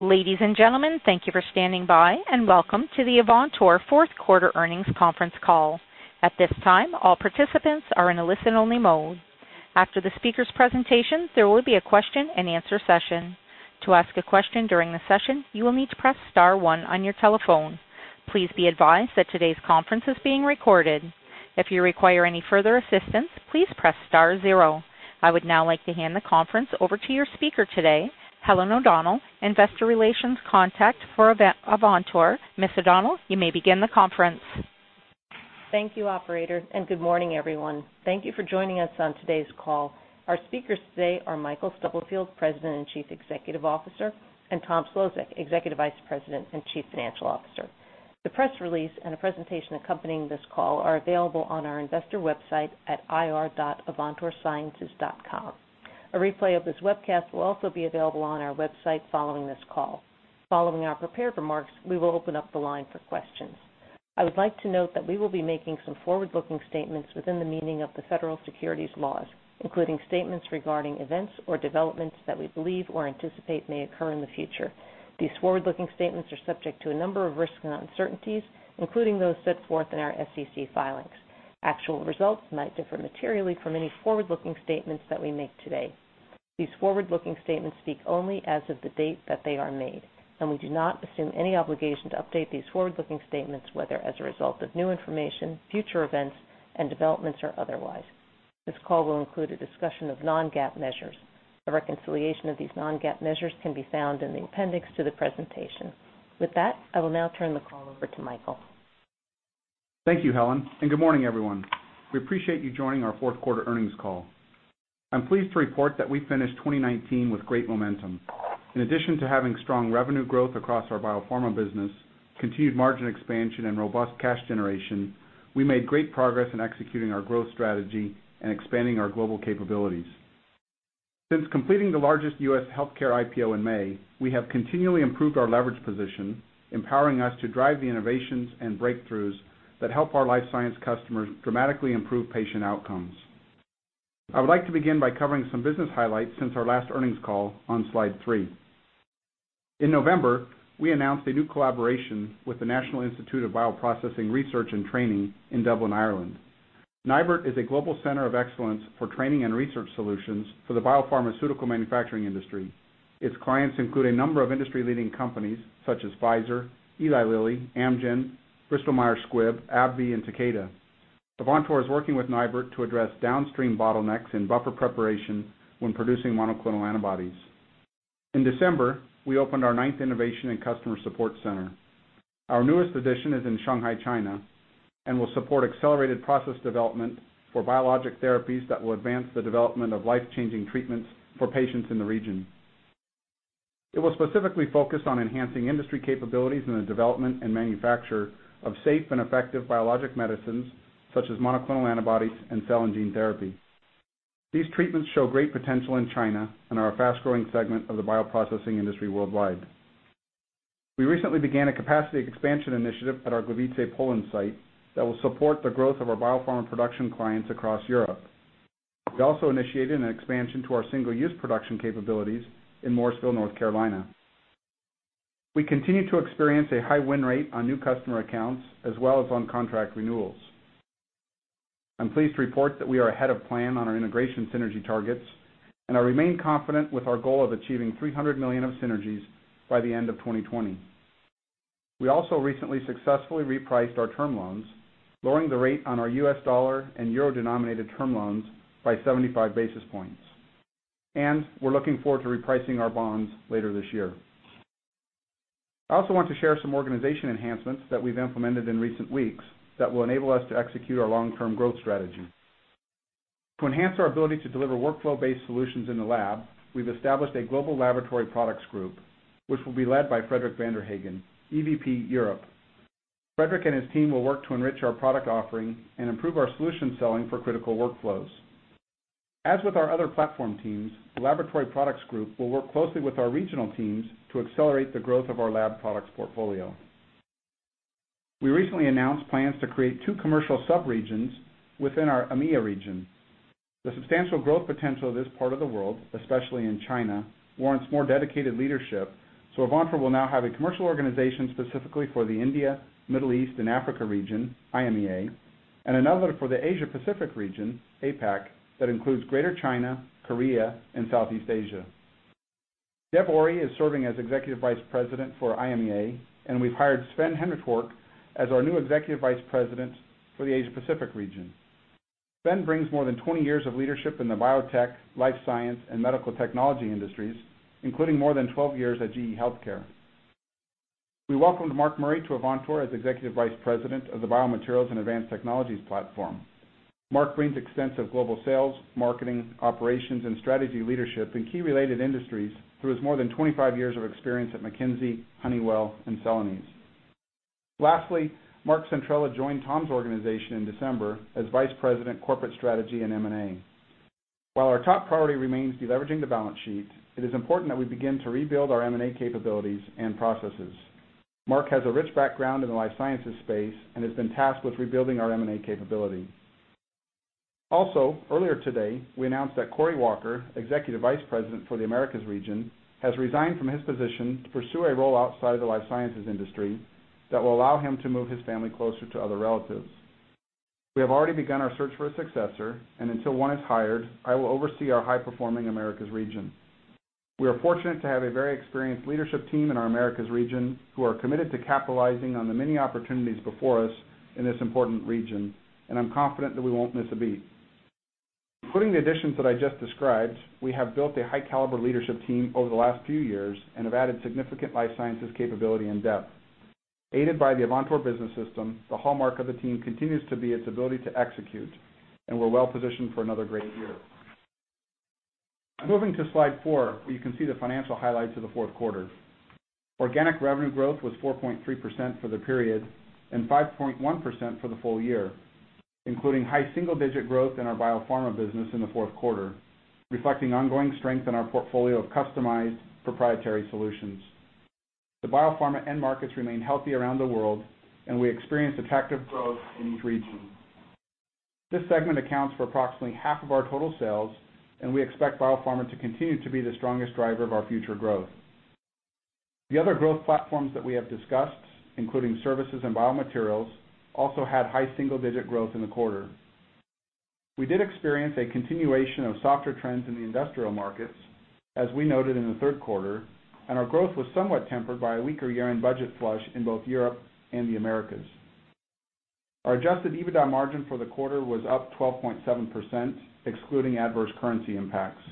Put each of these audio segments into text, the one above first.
Ladies and gentlemen, thank you for standing by, and welcome to the Avantor Fourth Quarter Earnings Conference Call. At this time, all participants are in a listen-only mode. After the speakers' presentations, there will be a question and answer session. To ask a question during the session, you will need to press star one on your telephone. Please be advised that today's conference is being recorded. If you require any further assistance, please press star zero. I would now like to hand the conference over to your speaker today, Helen O'Donnell, investor relations contact for Avantor. Ms. O'Donnell, you may begin the conference. Thank you, operator. Good morning, everyone. Thank you for joining us on today's call. Our speakers today are Michael Stubblefield, President and Chief Executive Officer, and Tom Szlosek, Executive Vice President and Chief Financial Officer. The press release and a presentation accompanying this call are available on our investor website at ir.avantorsciences.com. A replay of this webcast will also be available on our website following this call. Following our prepared remarks, we will open up the line for questions. I would like to note that we will be making some forward-looking statements within the meaning of the federal securities laws, including statements regarding events or developments that we believe or anticipate may occur in the future. These forward-looking statements are subject to a number of risks and uncertainties, including those set forth in our SEC filings. Actual results might differ materially from any forward-looking statements that we make today. These forward-looking statements speak only as of the date that they are made, and we do not assume any obligation to update these forward-looking statements, whether as a result of new information, future events, and developments, or otherwise. This call will include a discussion of non-GAAP measures. A reconciliation of these non-GAAP measures can be found in the appendix to the presentation. With that, I will now turn the call over to Michael. Thank you, Helen, and good morning, everyone. We appreciate you joining our fourth quarter earnings call. I am pleased to report that we finished 2019 with great momentum. In addition to having strong revenue growth across our biopharma business, continued margin expansion, and robust cash generation, we made great progress in executing our growth strategy and expanding our global capabilities. Since completing the largest U.S. healthcare IPO in May, we have continually improved our leverage position, empowering us to drive the innovations and breakthroughs that help our life science customers dramatically improve patient outcomes. I would like to begin by covering some business highlights since our last earnings call on slide three. In November, we announced a new collaboration with the National Institute for Bioprocessing Research and Training in Dublin, Ireland. NIBRT is a global center of excellence for training and research solutions for the biopharmaceutical manufacturing industry. Its clients include a number of industry-leading companies such as Pfizer, Eli Lilly, Amgen, Bristol Myers Squibb, AbbVie, and Takeda. Avantor is working with NIBRT to address downstream bottlenecks in buffer preparation when producing monoclonal antibodies. In December, we opened our ninth innovation and customer support center. Our newest addition is in Shanghai, China and will support accelerated process development for biologic therapies that will advance the development of life-changing treatments for patients in the region. It will specifically focus on enhancing industry capabilities in the development and manufacture of safe and effective biologic medicines such as monoclonal antibodies and cell and gene therapy. These treatments show great potential in China and are a fast-growing segment of the bioprocessing industry worldwide. We recently began a capacity expansion initiative at our Gliwice, Poland site that will support the growth of our biopharma production clients across Europe. We also initiated an expansion to our single-use production capabilities in Mooresville, North Carolina. We continue to experience a high win rate on new customer accounts as well as on contract renewals. I'm pleased to report that we are ahead of plan on our integration synergy targets, I remain confident with our goal of achieving $300 million of synergies by the end of 2020. We also recently successfully repriced our term loans, lowering the rate on our U.S. dollar and euro-denominated term loans by 75 basis points. We're looking forward to repricing our bonds later this year. I also want to share some organization enhancements that we've implemented in recent weeks that will enable us to execute our long-term growth strategy. To enhance our ability to deliver workflow-based solutions in the lab, we've established a global laboratory products group, which will be led by Frederic Vanderhaegen, EVP Europe. Frederic and his team will work to enrich our product offering and improve our solution selling for critical workflows. As with our other platform teams, the laboratory products group will work closely with our regional teams to accelerate the growth of our lab products portfolio. We recently announced plans to create two commercial subregions within our EMEA region. The substantial growth potential of this part of the world, especially in Greater China, warrants more dedicated leadership. Avantor will now have a commercial organization specifically for the India, Middle East, and Africa region, IMEA, and another for the APAC region that includes Greater China, Korea, and Southeast Asia. Deb Ory is serving as Executive Vice President for IMEA, and we've hired Sven Henrichwark as our new Executive Vice President for the Asia Pacific region. Sven brings more than 20 years of leadership in the biotech, life science, and medical technology industries, including more than 12 years at GE HealthCare. We welcomed Marc N. Casper to Avantor as Executive Vice President of the Biomaterials and Advanced Technologies platform. Marc brings extensive global sales, marketing, operations, and strategy leadership in key related industries through his more than 25 years of experience at McKinsey, Honeywell, and Celanese. Lastly, Marc J. Centrella joined Tom's organization in December as Vice President, Corporate Strategy and M&A. While our top priority remains deleveraging the balance sheet, it is important that we begin to rebuild our M&A capabilities and processes. Marc has a rich background in the life sciences space and has been tasked with rebuilding our M&A capability. Also, earlier today, we announced that Corey Walker, Executive Vice President for the Americas region, has resigned from his position to pursue a role outside of the life sciences industry that will allow him to move his family closer to other relatives. We have already begun our search for a successor, and until one is hired, I will oversee our high-performing Americas region. We are fortunate to have a very experienced leadership team in our Americas region who are committed to capitalizing on the many opportunities before us in this important region, and I'm confident that we won't miss a beat. Including the additions that I just described, we have built a high-caliber leadership team over the last few years and have added significant life sciences capability and depth. Aided by the Avantor Business System, the hallmark of the team continues to be its ability to execute, and we're well-positioned for another great year. Moving to slide four, where you can see the financial highlights of the fourth quarter. Organic revenue growth was 4.3% for the period and 5.1% for the full year, including high single-digit growth in our biopharma business in the fourth quarter, reflecting ongoing strength in our portfolio of customized proprietary solutions. The biopharma end markets remain healthy around the world, and we experienced attractive growth in each region. This segment accounts for approximately half of our total sales, and we expect biopharma to continue to be the strongest driver of our future growth. The other growth platforms that we have discussed, including services and biomaterials, also had high single-digit growth in the quarter. We did experience a continuation of softer trends in the industrial markets, as we noted in the third quarter, and our growth was somewhat tempered by a weaker year-end budget flush in both Europe and the Americas. Our adjusted EBITDA margin for the quarter was up 12.7%, excluding adverse currency impacts,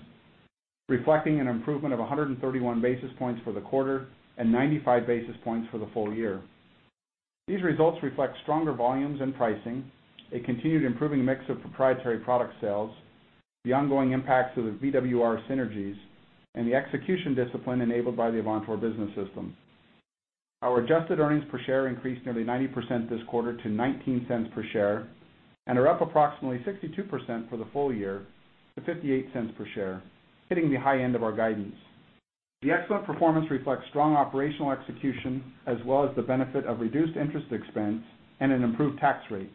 reflecting an improvement of 131 basis points for the quarter and 95 basis points for the full year. These results reflect stronger volumes and pricing, a continued improving mix of proprietary product sales, the ongoing impacts of the VWR synergies, and the execution discipline enabled by the Avantor Business System. Our adjusted earnings per share increased nearly 90% this quarter to $0.19 per share and are up approximately 62% for the full year to $0.58 per share, hitting the high end of our guidance. The excellent performance reflects strong operational execution as well as the benefit of reduced interest expense and an improved tax rate.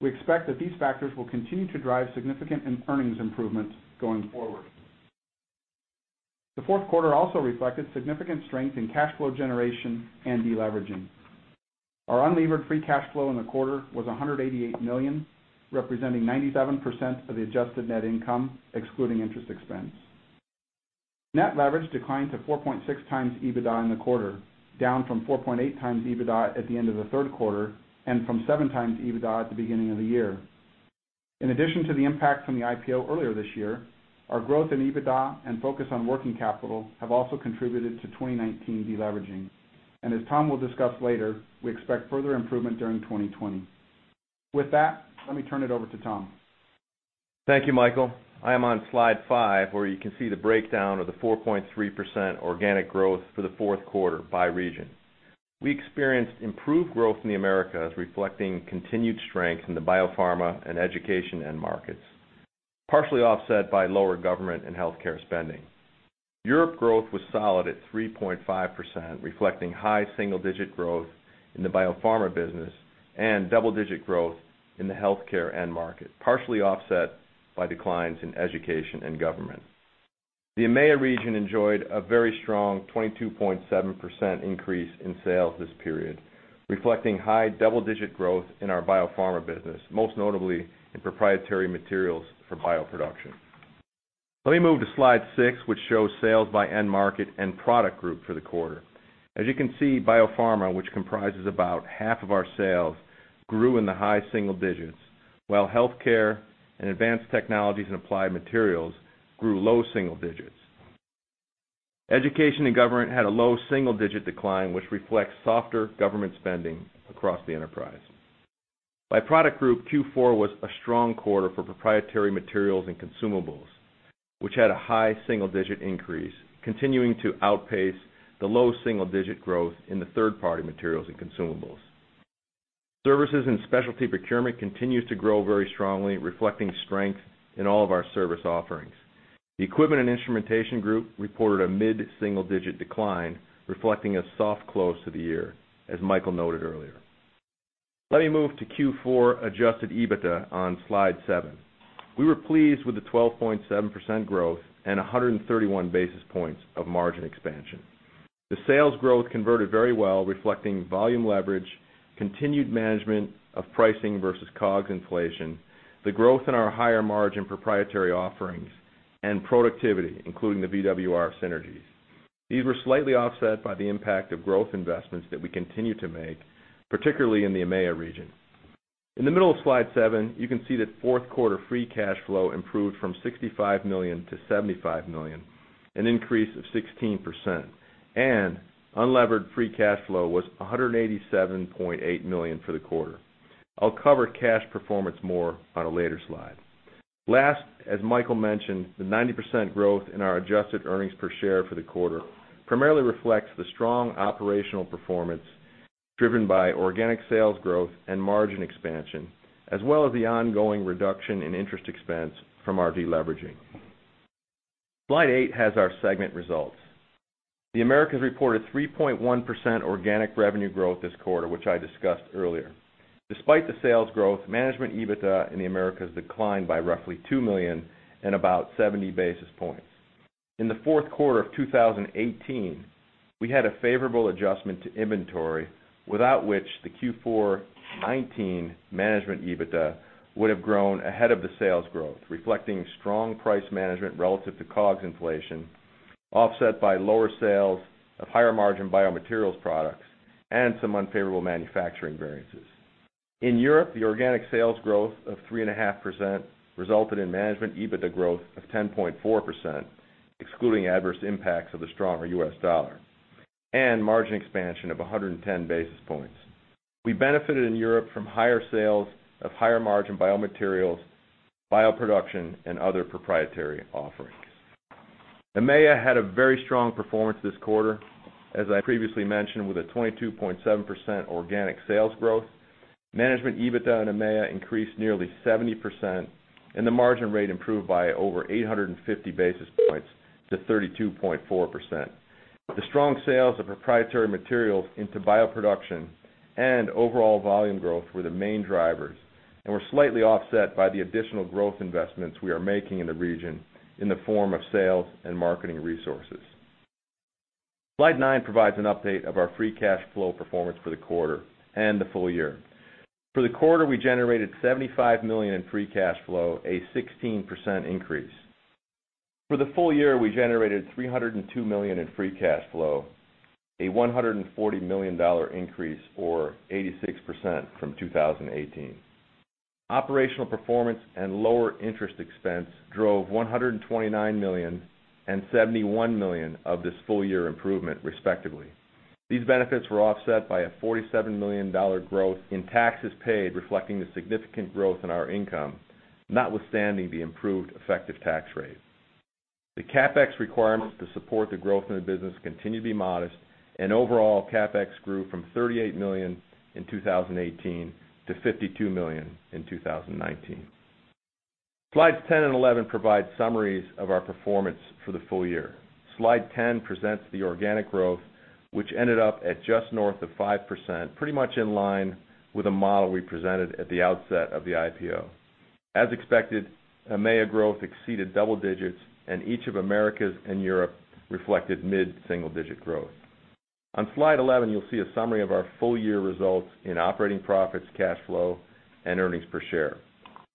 We expect that these factors will continue to drive significant earnings improvements going forward. The fourth quarter also reflected significant strength in cash flow generation and deleveraging. Our unlevered free cash flow in the quarter was $188 million, representing 97% of the adjusted net income, excluding interest expense. Net leverage declined to 4.6x EBITDA in the quarter, down from 4.8x EBITDA at the end of the third quarter and from 7x EBITDA at the beginning of the year. In addition to the impact from the IPO earlier this year, our growth in EBITDA and focus on working capital have also contributed to 2019 deleveraging. As Tom will discuss later, we expect further improvement during 2020. With that, let me turn it over to Tom. Thank you, Michael. I am on slide five, where you can see the breakdown of the 4.3% organic growth for the fourth quarter by region. We experienced improved growth in the Americas, reflecting continued strength in the biopharma and education end markets, partially offset by lower government and healthcare spending. Europe growth was solid at 3.5%, reflecting high single-digit growth in the biopharma business and double-digit growth in the healthcare end market, partially offset by declines in education and government. The EMEA region enjoyed a very strong 22.7% increase in sales this period, reflecting high double-digit growth in our biopharma business, most notably in proprietary materials for bioproduction. Let me move to slide six, which shows sales by end market and product group for the quarter. As you can see, biopharma, which comprises about half of our sales, grew in the high single digits, while healthcare and advanced technologies and applied materials grew low single digits. Education and government had a low single-digit decline, which reflects softer government spending across the enterprise. By product group, Q4 was a strong quarter for proprietary materials and consumables, which had a high single-digit increase, continuing to outpace the low double-digit growth in the third-party materials and consumables. Services and specialty procurement continues to grow very strongly, reflecting strength in all of our service offerings. The equipment and instrumentation group reported a mid-single digit decline, reflecting a soft close to the year, as Michael noted earlier. Let me move to Q4 adjusted EBITDA on slide seven. We were pleased with the 12.7% growth and 131 basis points of margin expansion. The sales growth converted very well, reflecting volume leverage, continued management of pricing versus COGS inflation, the growth in our higher-margin proprietary offerings, and productivity, including the VWR synergies. These were slightly offset by the impact of growth investments that we continue to make, particularly in the EMEA region. In the middle of slide seven, you can see that fourth quarter free cash flow improved from $65 million to $75 million, an increase of 16%, and unlevered free cash flow was $187.8 million for the quarter. I'll cover cash performance more on a later slide. Last, as Michael mentioned, the 90% growth in our adjusted EPS for the quarter primarily reflects the strong operational performance driven by organic sales growth and margin expansion, as well as the ongoing reduction in interest expense from our deleveraging. Slide eight has our segment results. The Americas reported 3.1% organic revenue growth this quarter, which I discussed earlier. Despite the sales growth, management EBITDA in the Americas declined by roughly $2 million and about 70 basis points. In the fourth quarter of 2018, we had a favorable adjustment to inventory, without which the Q4 19 management EBITDA would have grown ahead of the sales growth, reflecting strong price management relative to COGS inflation, offset by lower sales of higher margin biomaterials products and some unfavorable manufacturing variances. In Europe, the organic sales growth of 3.5% resulted in management EBITDA growth of 10.4%, excluding adverse impacts of the stronger U.S. dollar and margin expansion of 110 basis points. We benefited in Europe from higher sales of higher margin biomaterials, bioproduction, and other proprietary offerings. EMEA had a very strong performance this quarter, as I previously mentioned, with a 22.7% organic sales growth. Management EBITDA in EMEA increased nearly 70%, and the margin rate improved by over 850 basis points to 32.4%. The strong sales of proprietary materials into bioproduction and overall volume growth were the main drivers and were slightly offset by the additional growth investments we are making in the region in the form of sales and marketing resources. Slide nine provides an update of our free cash flow performance for the quarter and the full year. For the quarter, we generated $75 million in free cash flow, a 16% increase. For the full year, we generated $302 million in free cash flow, a $140 million increase, or 86% from 2018. Operational performance and lower interest expense drove $129 million and $71 million of this full year improvement, respectively. These benefits were offset by a $47 million growth in taxes paid, reflecting the significant growth in our income, notwithstanding the improved effective tax rate. The CapEx requirements to support the growth in the business continue to be modest, and overall CapEx grew from $38 million in 2018 to $52 million in 2019. Slides 10 and 11 provide summaries of our performance for the full year. Slide 10 presents the organic growth, which ended up at just north of 5%, pretty much in line with a model we presented at the outset of the IPO. As expected, EMEA growth exceeded double digits, and each of Americas and Europe reflected mid-single digit growth. On slide 11, you'll see a summary of our full year results in operating profits, cash flow, and earnings per share.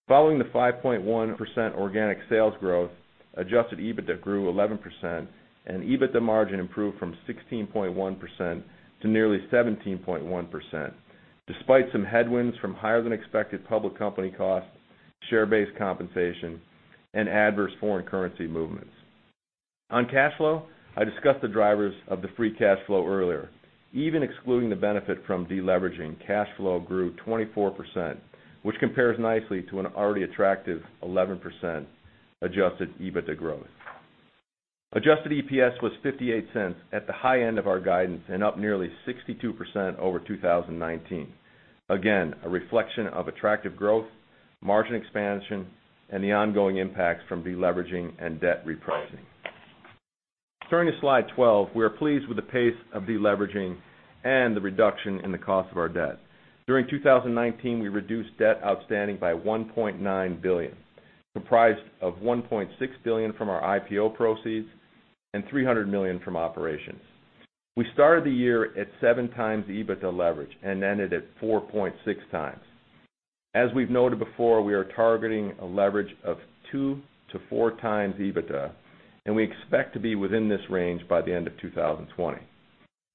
Following the 5.1% organic sales growth, adjusted EBITDA grew 11%, and EBITDA margin improved from 16.1% to nearly 17.1% despite some headwinds from higher than expected public company costs, share-based compensation, and adverse foreign currency movements. On cash flow, I discussed the drivers of the free cash flow earlier. Even excluding the benefit from deleveraging, cash flow grew 24%, which compares nicely to an already attractive 11% adjusted EBITDA growth. Adjusted EPS was $0.58 at the high end of our guidance and up nearly 62% over 2019. Again, a reflection of attractive growth, margin expansion, and the ongoing impacts from deleveraging and debt repricing. Turning to slide 12, we are pleased with the pace of deleveraging and the reduction in the cost of our debt. During 2019, we reduced debt outstanding by $1.9 billion, comprised of $1.6 billion from our IPO proceeds and $300 million from operations. We started the year at 7x EBITDA leverage and ended at 4.6x. As we've noted before, we are targeting a leverage of 2x-4x EBITDA, and we expect to be within this range by the end of 2020.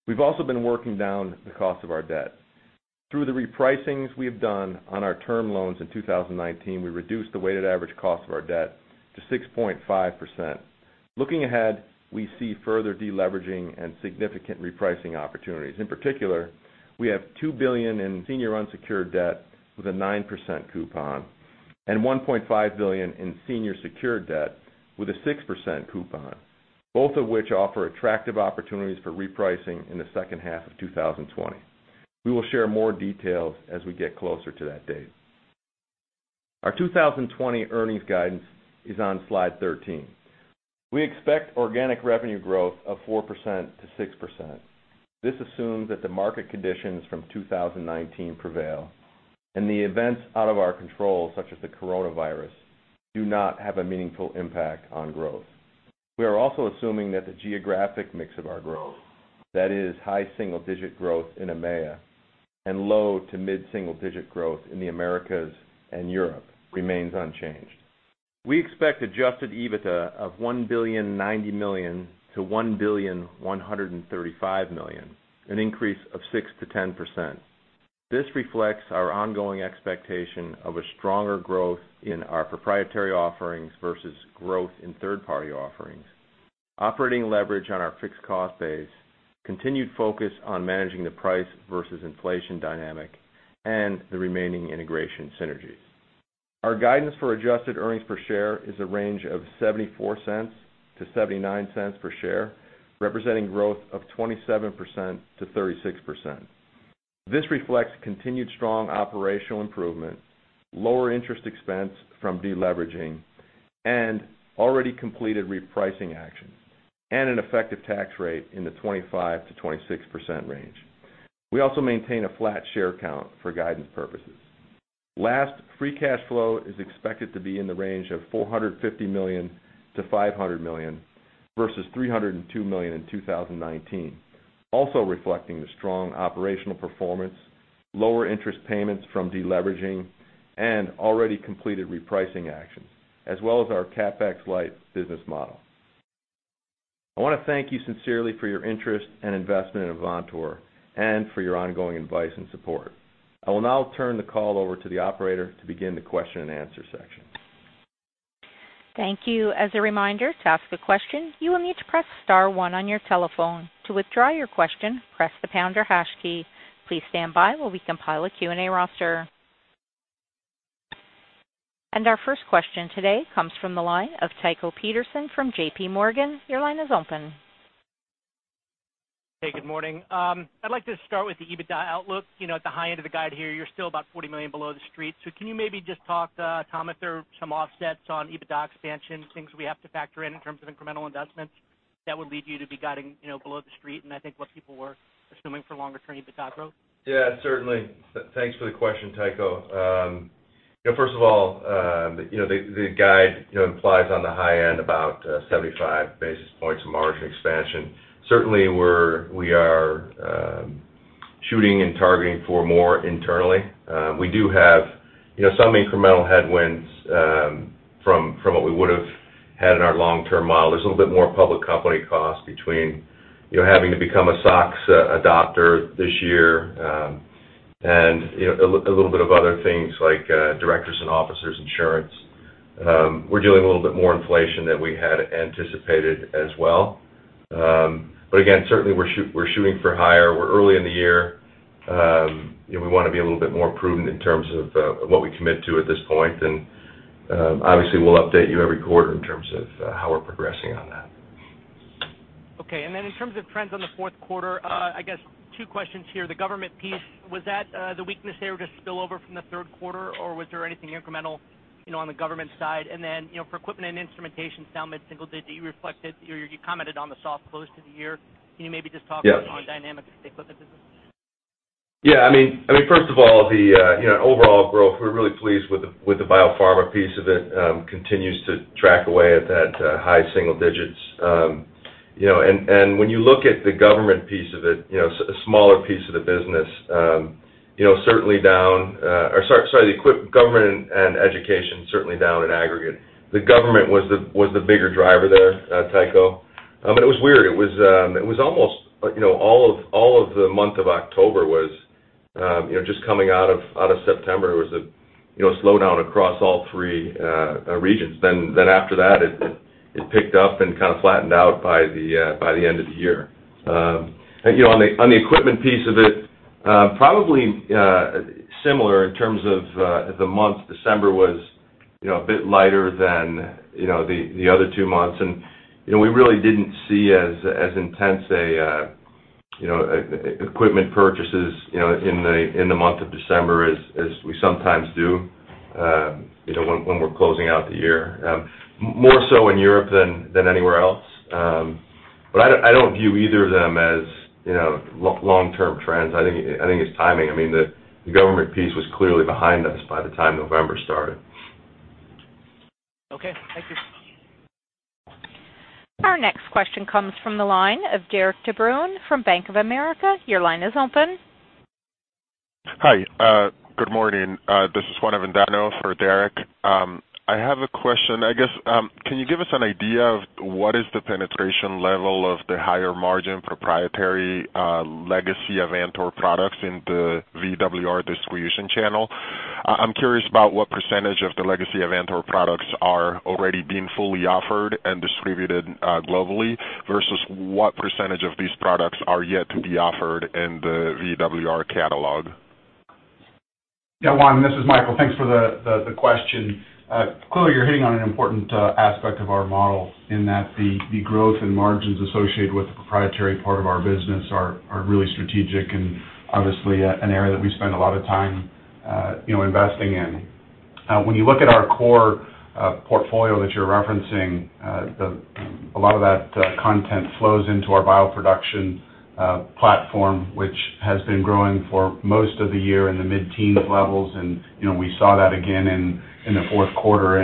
We've also been working down the cost of our debt. Through the repricings we have done on our term loans in 2019, we reduced the weighted average cost of our debt to 6.5%. Looking ahead, we see further deleveraging and significant repricing opportunities. In particular, we have $2 billion in senior unsecured debt with a 9% coupon and $1.5 billion in senior secured debt with a 6% coupon, both of which offer attractive opportunities for repricing in the second half of 2020. We will share more details as we get closer to that date. Our 2020 earnings guidance is on slide 13. We expect organic revenue growth of 4%-6%. This assumes that the market conditions from 2019 prevail and the events out of our control, such as the coronavirus, do not have a meaningful impact on growth. We are also assuming that the geographic mix of our growth, that is high single-digit growth in EMEA and low to mid-single-digit growth in the Americas and Europe, remains unchanged. We expect adjusted EBITDA of $1.09 billion-$1.135 billion, an increase of 6%-10%. This reflects our ongoing expectation of a stronger growth in our proprietary offerings versus growth in third-party offerings, operating leverage on our fixed cost base, continued focus on managing the price versus inflation dynamic, and the remaining integration synergies. Our guidance for adjusted earnings per share is a range of $0.74-$0.79 per share, representing growth of 27%-36%. This reflects continued strong operational improvement, lower interest expense from deleveraging, and already completed repricing actions, and an effective tax rate in the 25%-26% range. We also maintain a flat share count for guidance purposes. Last, free cash flow is expected to be in the range of $450 million-$500 million versus $302 million in 2019, also reflecting the strong operational performance, lower interest payments from deleveraging, and already completed repricing actions, as well as our CapEx-light business model. I want to thank you sincerely for your interest and investment in Avantor and for your ongoing advice and support. I will now turn the call over to the operator to begin the question and answer section. Thank you. As a reminder, to ask a question, you will need to press star one on your telephone. To withdraw your question, press the pound or hash key. Please stand by while we compile a Q&A roster. Our first question today comes from the line of Tycho Peterson from JPMorgan. Your line is open. Hey, good morning. I'd like to start with the EBITDA outlook. At the high end of the guide here, you're still about $40 million below the street. Can you maybe just talk, Tom, if there are some offsets on EBITDA expansion, things we have to factor in in terms of incremental investments that would lead you to be guiding below the street, and I think what people were assuming for longer-term EBITDA growth? Yeah, certainly. Thanks for the question, Tycho. First of all, the guide implies on the high end about 75 basis points of margin expansion. Certainly, we are shooting and targeting for more internally. We do have some incremental headwinds from what we would have had in our long-term model. There's a little bit more public company cost between having to become a SOX adopter this year, and a little bit of other things like directors and officers insurance. We're doing a little bit more inflation than we had anticipated as well. Again, certainly we're shooting for higher. We're early in the year. We want to be a little bit more prudent in terms of what we commit to at this point. Obviously, we'll update you every quarter in terms of how we're progressing on that. Okay. In terms of trends on the fourth quarter, I guess two questions here. The government piece, was that the weakness there just spillover from the third quarter, or was there anything incremental on the government side? For equipment and instrumentation, down mid-single digit, you reflected or you commented on the soft close to the year. Can you maybe just talk. Yes. On dynamics of the equipment business? Yeah. First of all, the overall growth, we're really pleased with the biopharma piece of it. Continues to track away at that high single digits. When you look at the government piece of it, a smaller piece of the business. Certainly or sorry, the government and education, certainly down in aggregate. The government was the bigger driver there, Tycho. It was weird. It was almost all of the month of October was just coming out of September, it was a slowdown across all three regions. After that, it picked up and kind of flattened out by the end of the year. On the equipment piece of it, probably similar in terms of the month. December was a bit lighter than the other two months, and we really didn't see as intense equipment purchases in the month of December as we sometimes do when we're closing out the year. More so in Europe than anywhere else. I don't view either of them as long-term trends. I think it's timing. The government piece was clearly behind us by the time November started. Okay, thank you. Our next question comes from the line of Derik de Bruin from Bank of America. Your line is open. Hi, good morning. This is Juan Avendano for Derik. I have a question. I guess, can you give us an idea of what is the penetration level of the higher margin proprietary legacy Avantor products in the VWR distribution channel? I'm curious about what percentage of the legacy Avantor products are already being fully offered and distributed globally versus what percentage of these products are yet to be offered in the VWR catalog. Yeah, Juan, this is Michael. Thanks for the question. Clearly, you're hitting on an important aspect of our model in that the growth and margins associated with the proprietary part of our business are really strategic and obviously an area that we spend a lot of time investing in. When you look at our core portfolio that you're referencing, a lot of that content flows into our bioproduction platform, which has been growing for most of the year in the mid-teen levels, and we saw that again in the fourth quarter.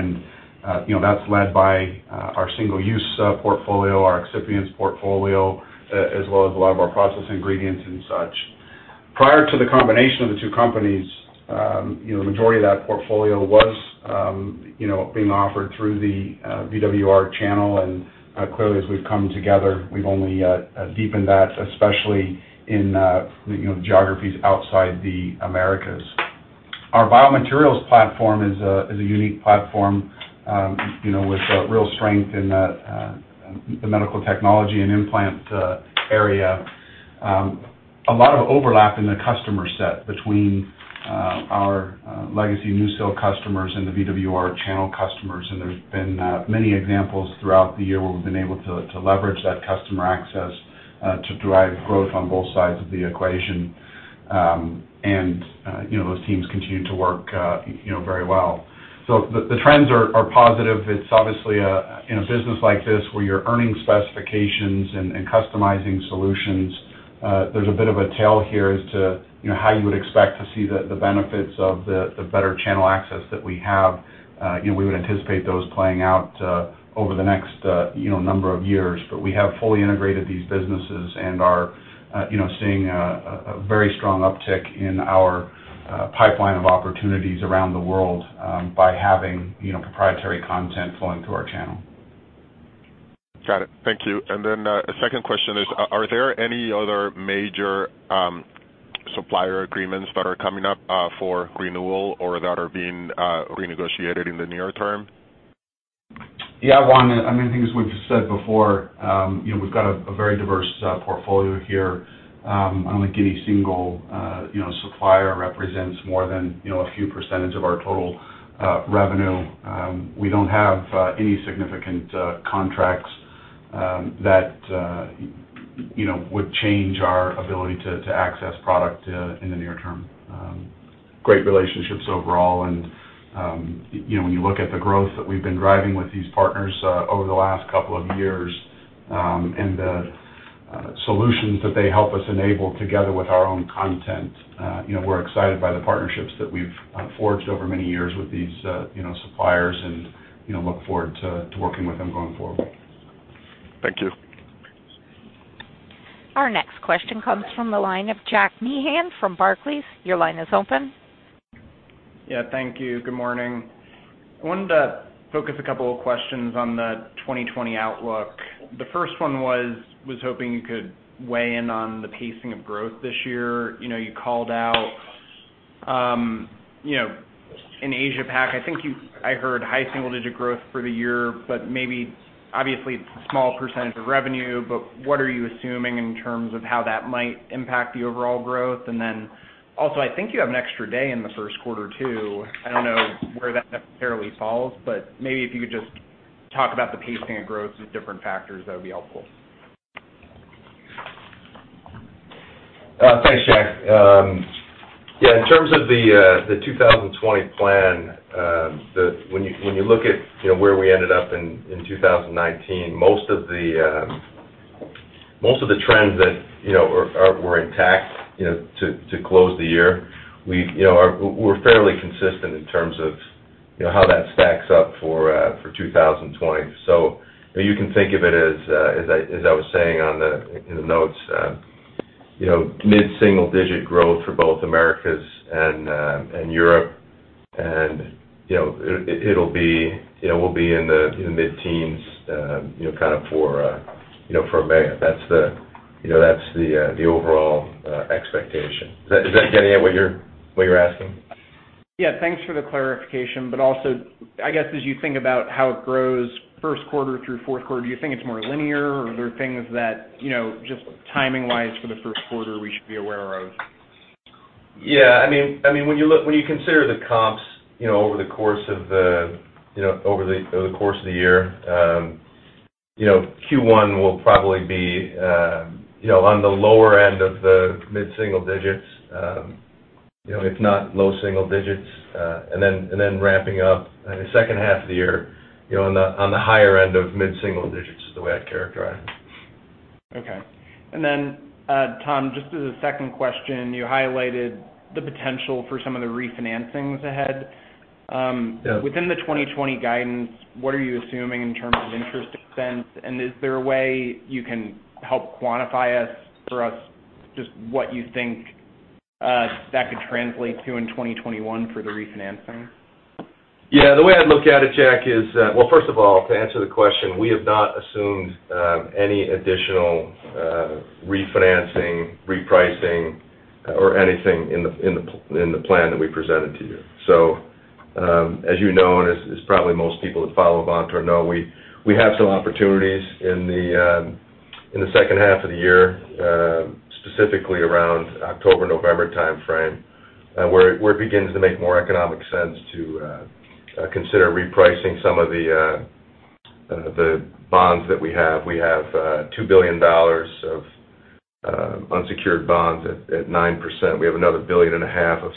That's led by our single-use portfolio, our excipients portfolio, as well as a lot of our process ingredients and such. Prior to the combination of the two companies, the majority of that portfolio was being offered through the VWR channel. Clearly, as we've come together, we've only deepened that, especially in geographies outside the Americas. Our biomaterials platform is a unique platform with real strength in the medical technology and implant area. A lot of overlap in the customer set between our legacy NuSil customers and the VWR channel customers. There's been many examples throughout the year where we've been able to leverage that customer access to drive growth on both sides of the equation. Those teams continue to work very well. The trends are positive. It's obviously in a business like this where you're earning specifications and customizing solutions, there's a bit of a tail here as to how you would expect to see the benefits of the better channel access that we have. We would anticipate those playing out over the next number of years. We have fully integrated these businesses and are seeing a very strong uptick in our pipeline of opportunities around the world by having proprietary content flowing through our channel. Got it. Thank you. A second question is, are there any other major supplier agreements that are coming up for renewal or that are being renegotiated in the near term? Yeah, Juan, I think as we've said before, we've got a very diverse portfolio here. I don't think any single supplier represents more than a few percentage of our total revenue. We don't have any significant contracts that would change our ability to access product in the near term. Great relationships overall. When you look at the growth that we've been driving with these partners over the last couple of years, and the solutions that they help us enable together with our own content, we're excited by the partnerships that we've forged over many years with these suppliers and look forward to working with them going forward. Thank you. Our next question comes from the line of Jack Meehan from Barclays. Your line is open. Yeah, thank you. Good morning. I wanted to focus a couple of questions on the 2020 outlook. The first one was, hoping you could weigh in on the pacing of growth this year. You called out in APAC, I think I heard high single digit growth for the year, but maybe obviously, it's a small percent of revenue, but what are you assuming in terms of how that might impact the overall growth? Then also, I think you have an extra day in the first quarter, too. I don't know where that necessarily falls, but maybe if you could just talk about the pacing of growth with different factors, that would be helpful. Thanks, Jack. In terms of the 2020 plan, when you look at where we ended up in 2019, most of the trends that were intact to close the year, we're fairly consistent in terms of how that stacks up for 2020. You can think of it as I was saying in the notes, mid-single-digit growth for both Americas and Europe, and we'll be in the mid-teens for EMEA. That's the overall expectation. Does that get at what you're asking? Yeah, thanks for the clarification. Also, I guess as you think about how it grows first quarter through fourth quarter, do you think it's more linear? Are there things that, just timing-wise for the first quarter, we should be aware of? Yeah. When you consider the comps over the course of the year, Q1 will probably be on the lower end of the mid-single digits, if not low single digits, and then ramping up in the second half of the year on the higher end of mid-single digits, is the way I'd characterize it. Okay. Then Tom, just as a second question, you highlighted the potential for some of the refinancings ahead. Yes. Within the 2020 guidance, what are you assuming in terms of interest expense? Is there a way you can help quantify it for us, just what you think that could translate to in 2021 for the refinancing? Yeah. The way I look at it, Jack, is, well, first of all, to answer the question, we have not assumed any additional refinancing, repricing, or anything in the plan that we presented to you. As you know, and as probably most people that follow Avantor know, we have some opportunities in the second half of the year, specifically around October, November timeframe, where it begins to make more economic sense to consider repricing some of the bonds that we have. We have $2 billion of unsecured bonds at 9%. We have another billion and a half of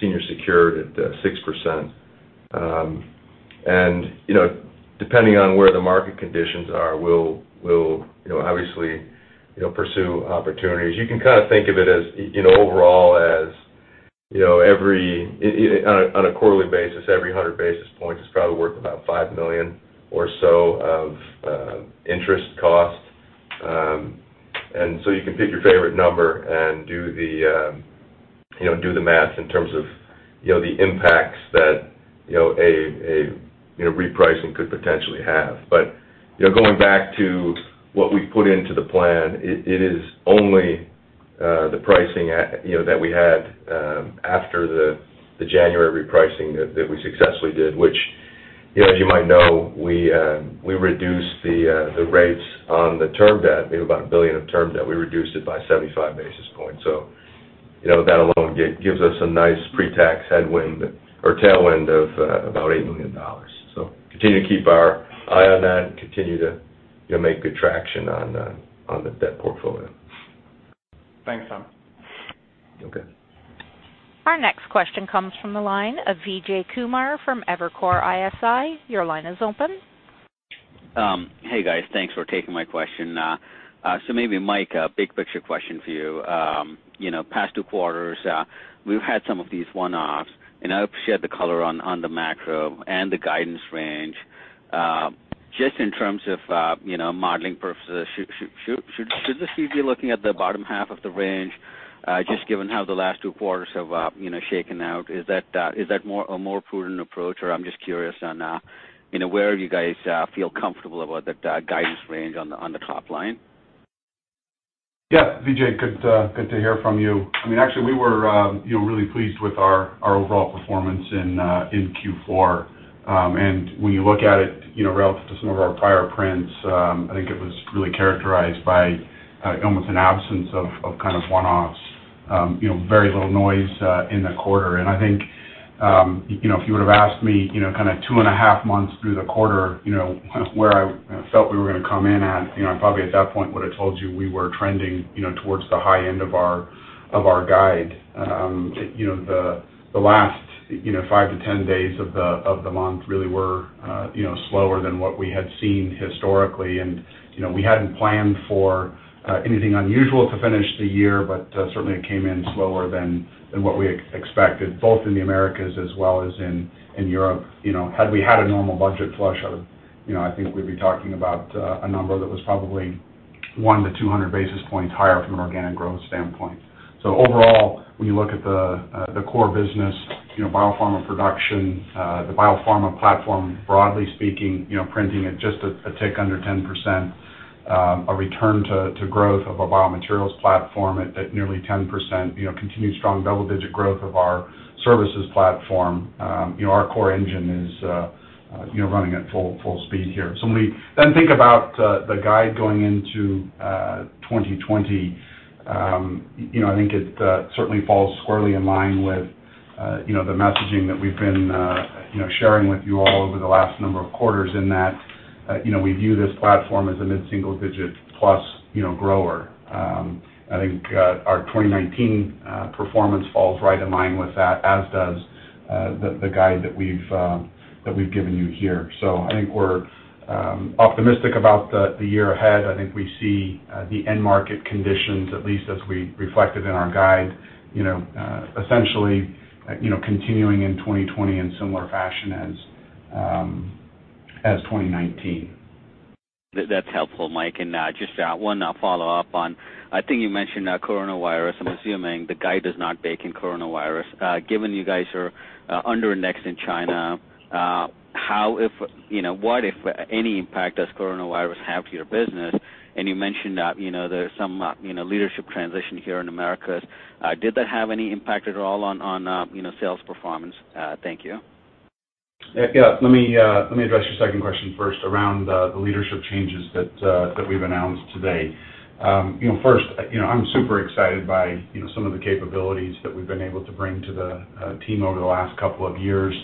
senior secured at 6%. Depending on where the market conditions are, we'll obviously pursue opportunities. You can kind of think of it overall as on a quarterly basis, every 100 basis points is probably worth about $5 million or so of interest cost. You can pick your favorite number and do the math in terms of the impacts that a repricing could potentially have. Going back to what we put into the plan, it is only the pricing that we had after the January repricing that we successfully did, which as you might know, we reduced the rates on the term debt, we have about $1 billion of term debt. We reduced it by 75 basis points. That alone gives us a nice pre-tax headwind or tailwind of about $80 million. You'll make good traction on the debt portfolio. Thanks, Tom. Okay. Our next question comes from the line of Vijay Kumar from Evercore ISI. Your line is open. Hey, guys. Thanks for taking my question. Maybe, Mike, a big picture question for you. Past two quarters, we've had some of these one-offs, and I appreciate the color on the macro and the guidance range. Just in terms of modeling purposes, should we be looking at the bottom half of the range, just given how the last two quarters have shaken out? Is that a more prudent approach? I'm just curious on where you guys feel comfortable about the guidance range on the top line? Yeah. Vijay, good to hear from you. Actually, we were really pleased with our overall performance in Q4. When you look at it relative to some of our prior prints, I think it was really characterized by almost an absence of kind of one-offs. Very little noise in the quarter. I think, if you would've asked me kind of two and a half months through the quarter, where I felt we were going to come in at, I probably at that point would've told you we were trending towards the high end of our guide. The last five to 10 days of the month really were slower than what we had seen historically. We hadn't planned for anything unusual to finish the year, but certainly it came in slower than what we expected, both in the Americas as well as in Europe. Had we had a normal budget flush, I think we'd be talking about a number that was probably 100-200 basis points higher from an organic growth standpoint. Overall, when you look at the core business, biopharma production, the biopharma platform, broadly speaking, printing at just a tick under 10%, a return to growth of a biomaterials platform at nearly 10%, continued strong double-digit growth of our services platform. Our core engine is running at full speed here. When we then think about the guide going into 2020, I think it certainly falls squarely in line with the messaging that we've been sharing with you all over the last number of quarters in that we view this platform as a mid-single digit plus grower. I think our 2019 performance falls right in line with that, as does the guide that we've given you here. I think we're optimistic about the year ahead. I think we see the end market conditions, at least as we reflected in our guide, essentially continuing in 2020 in similar fashion as 2019. That's helpful, Mike. Just one follow-up on, I think you mentioned coronavirus. I'm assuming the guide does not bake in coronavirus. Given you guys are under indexed in China, what if any impact does coronavirus have to your business? You mentioned that there's some leadership transition here in Americas. Did that have any impact at all on sales performance? Thank you. Yeah. Let me address your second question first around the leadership changes that we've announced today. First, I'm super excited by some of the capabilities that we've been able to bring to the team over the last couple of years.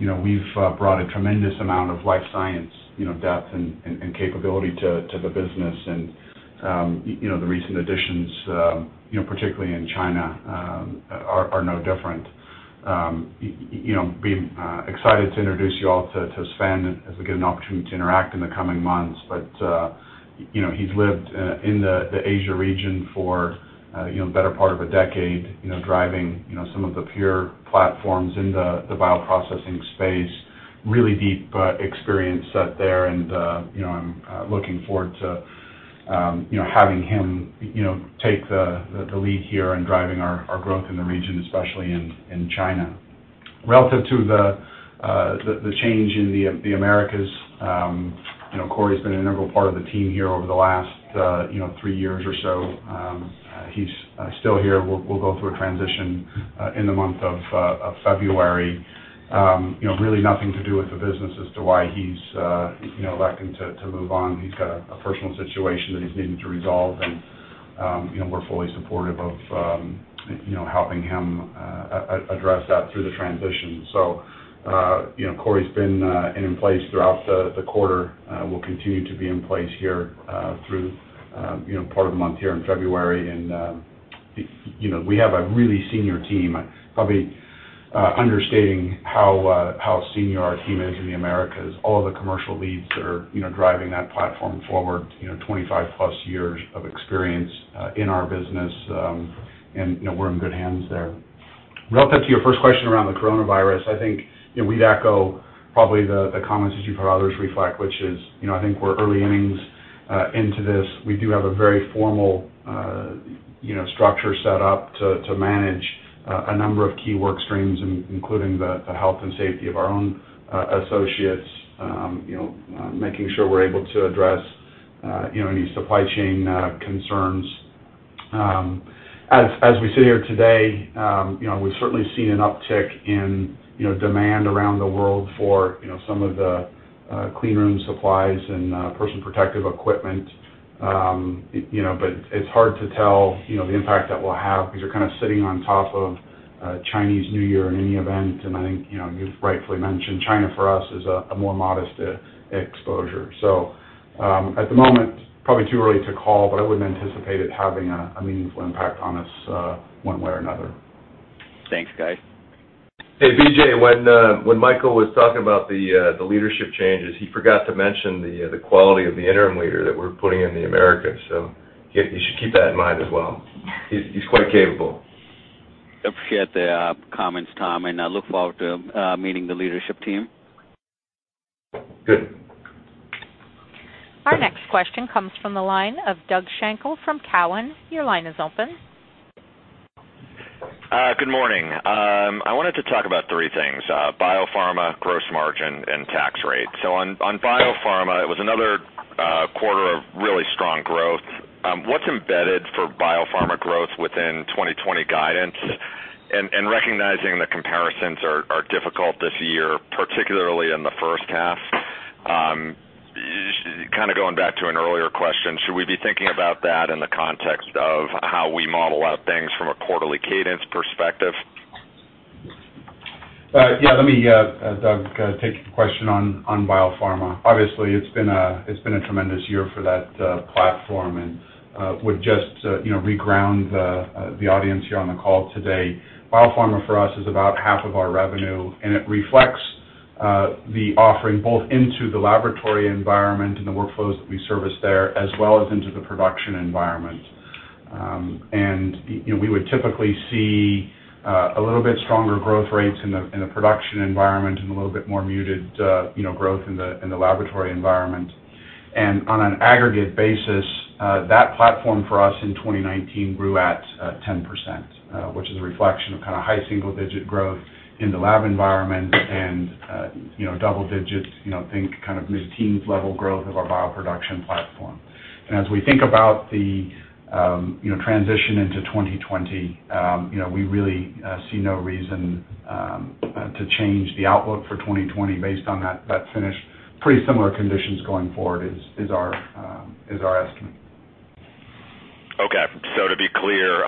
We've brought a tremendous amount of life science depth and capability to the business. The recent additions, particularly in China, are no different. Being excited to introduce you all to Sven as we get an opportunity to interact in the coming months. He's lived in the Asia region for the better part of a decade driving some of the pure platforms in the bioprocessing space. Really deep experience set there. I'm looking forward to having him take the lead here in driving our growth in the region, especially in China. Relative to the change in the Americas, Corey's been an integral part of the team here over the last three years or so. He's still here. We'll go through a transition in the month of February. Nothing to do with the business as to why he's electing to move on. He's got a personal situation that he's needing to resolve, we're fully supportive of helping him address that through the transition. Corey's been in place throughout the quarter, will continue to be in place here through part of the month here in February. We have a really senior team. Probably understating how senior our team is in the Americas. All of the commercial leads that are driving that platform forward, 25+ years of experience in our business. We're in good hands there. Relative to your first question around the coronavirus, I think we'd echo probably the comments that you've heard others reflect, which is I think we're early innings into this. We do have a very formal structure set up to manage a number of key work streams, including the health and safety of our own associates, making sure we're able to address any supply chain concerns. As we sit here today, we've certainly seen an uptick in demand around the world for some of the clean room supplies and personal protective equipment. It's hard to tell the impact that we'll have because you're kind of sitting on top of Chinese New Year in any event, and I think, you've rightfully mentioned, China for us is a more modest exposure. At the moment, probably too early to call, but I wouldn't anticipate it having a meaningful impact on us one way or another. Thanks, guys. Hey, Vijay, when Michael was talking about the leadership changes, he forgot to mention the quality of the interim leader that we're putting in the Americas. You should keep that in mind as well. He's quite capable. Appreciate the comments, Tom, and I look forward to meeting the leadership team. Good. Our next question comes from the line of Doug Schenkel from Cowen. Your line is open. Good morning. I wanted to talk about three things, biopharma, gross margin, and tax rate. On biopharma, it was another quarter of really strong growth. What's embedded for biopharma growth within 2020 guidance? Recognizing the comparisons are difficult this year, particularly in the first half, kind of going back to an earlier question, should we be thinking about that in the context of how we model out things from a quarterly cadence perspective? Yeah, let me, Doug, take the question on biopharma. Obviously, it's been a tremendous year for that platform, and would just re-ground the audience here on the call today. Biopharma for us is about half of our revenue, and it reflects the offering both into the laboratory environment and the workflows that we service there, as well as into the production environment. We would typically see a little bit stronger growth rates in the production environment and a little bit more muted growth in the laboratory environment. On an aggregate basis, that platform for us in 2019 grew at 10%, which is a reflection of kind of high single-digit growth in the lab environment and double digits, think kind of mid-teens level growth of our bioproduction platform. As we think about the transition into 2020, we really see no reason to change the outlook for 2020 based on that finish. Pretty similar conditions going forward is our estimate. Okay. To be clear,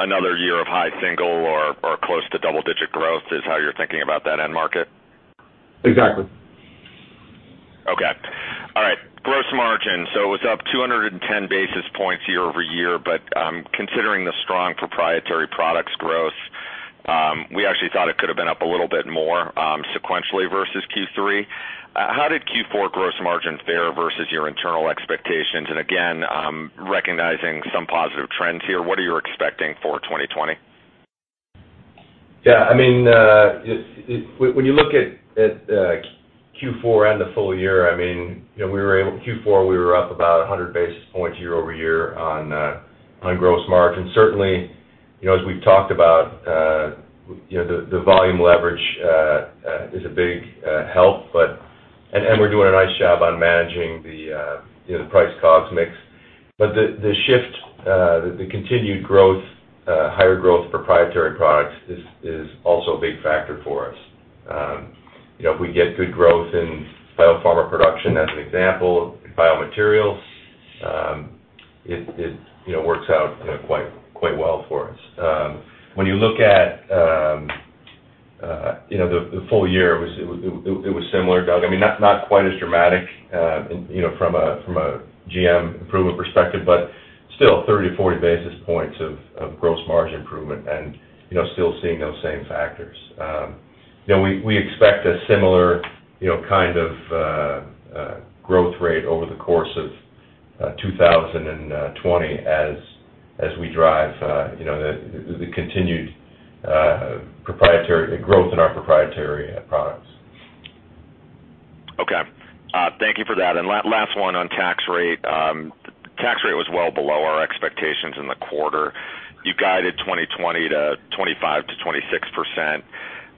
another year of high single or close to double-digit growth is how you're thinking about that end market? Exactly. Okay. All right. Gross margin. It was up 210 basis points year-over-year, but considering the strong proprietary products growth, we actually thought it could have been up a little bit more sequentially versus Q3. How did Q4 gross margin fare versus your internal expectations? Again, recognizing some positive trends here, what are you expecting for 2020? Yeah, when you look at Q4 and the full year, Q4 we were up about 100 basis points year-over-year on gross margin. Certainly, as we've talked about, the volume leverage is a big help, and we're doing a nice job on managing the price-COGS mix. The shift, the continued higher growth proprietary products is also a big factor for us. If we get good growth in biopharma production, as an example, biomaterials, it works out quite well for us. When you look at the full year, it was similar, Doug. Not quite as dramatic from a GM improvement perspective, but still 30-40 basis points of gross margin improvement and still seeing those same factors. We expect a similar kind of growth rate over the course of 2020 as we drive the continued growth in our proprietary products. Okay. Thank you for that. Last one on tax rate. Tax rate was well below our expectations in the quarter. You guided 2020 to 25%-26%.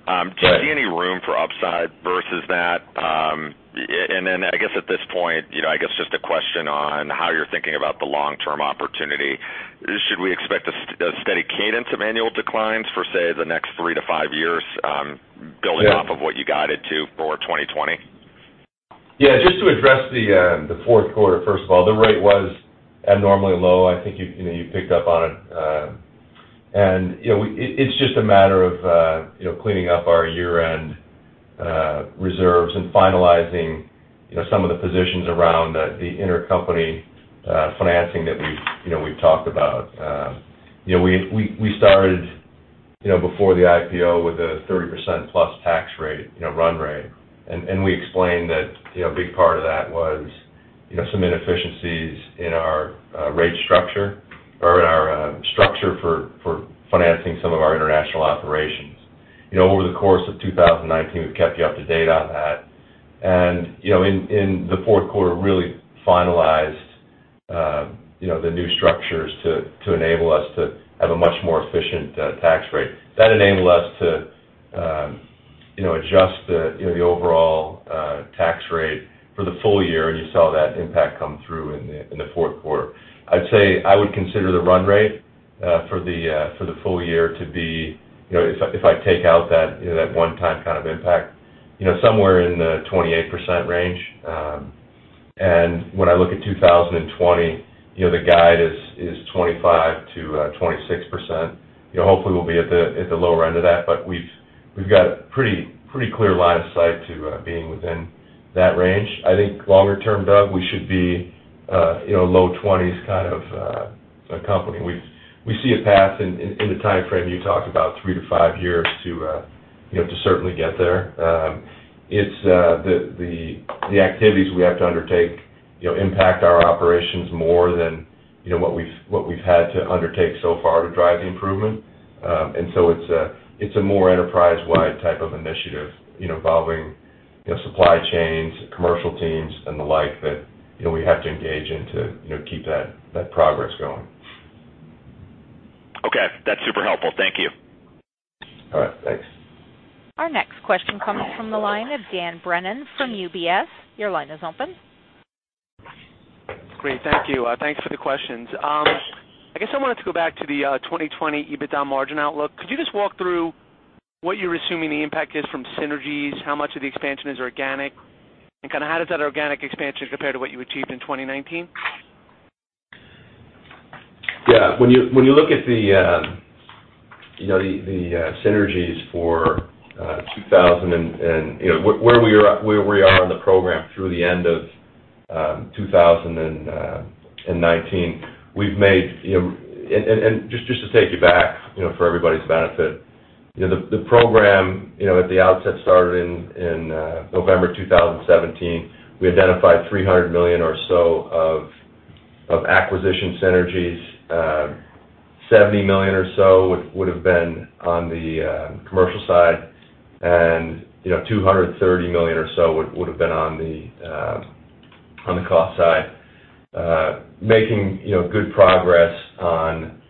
Do you see any room for upside versus that? I guess at this point, just a question on how you're thinking about the long-term opportunity. Should we expect a steady cadence of annual declines for, say, the next three to five years, building off of what you guided to for 2020? Yeah, just to address the fourth quarter, first of all, the rate was abnormally low. I think you picked up on it. It's just a matter of cleaning up our year-end reserves and finalizing some of the positions around the intercompany financing that we've talked about. We started before the IPO with a +30% tax rate run rate. We explained that a big part of that was some inefficiencies in our rate structure or in our structure for financing some of our international operations. Over the course of 2019, we've kept you up to date on that. In the fourth quarter, really finalized the new structures to enable us to have a much more efficient tax rate. That enabled us to adjust the overall tax rate for the full year, and you saw that impact come through in the fourth quarter. I'd say, I would consider the run rate for the full year to be, if I take out that one-time kind of impact somewhere in the 28% range. When I look at 2020, the guide is 25%-26%. Hopefully, we'll be at the lower end of that, but we've got a pretty clear line of sight to being within that range. I think longer term, Doug, we should be low 20s kind of a company. We see a path in the timeframe you talked about three to five years to certainly get there. It's the activities we have to undertake, impact our operations more than what we've had to undertake so far to drive the improvement. It's a more enterprise-wide type of initiative involving supply chains, commercial teams, and the like that we have to engage in to keep that progress going. Okay. That's super helpful. Thank you. All right. Thanks. Our next question comes from the line of Dan Brennan from UBS. Your line is open. Great. Thank you. Thanks for the questions. I guess I wanted to go back to the 2020 EBITDA margin outlook. Could you just walk through what you're assuming the impact is from synergies, how much of the expansion is organic, and how does that organic expansion compare to what you achieved in 2019? Yeah. When you look at the synergies for 2000 and where we are on the program through the end of 2019. Just to take you back, for everybody's benefit. The program, at the outset, started in November 2017. We identified $300 million or so of acquisition synergies. $70 million or so would have been on the commercial side, and $230 million or so would have been on the cost side. Making good progress on